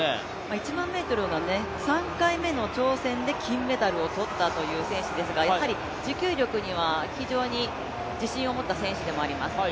１００００ｍの３回目の挑戦で金メダルを取った選手ですのでやはり持久力には非常に自信を持った選手でもあります。